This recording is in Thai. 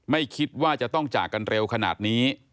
ไม่คิดว่าจะต้องจากกันเร็วขนาดนี้